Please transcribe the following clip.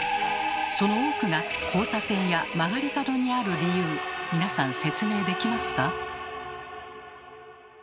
その多くが交差点や曲がり角にある理由皆さん説明できますか？